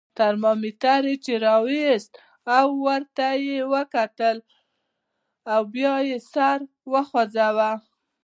ترمامیتر یې چې را وایست، ورته یې وکتل او بیا یې سر وخوځاوه.